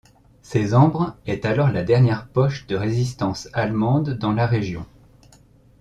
Cézembre est alors la dernière poche de résistance allemande dans la région.